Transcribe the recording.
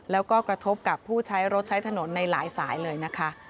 แล้วก็กระทบกับผู้ใช้รถใช้ถนนในหลายสายเลยนะคะ